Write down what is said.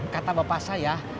kata bapak saya kak